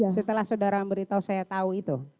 setelah saudara memberitahu saya tahu itu